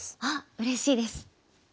あっうれしいです。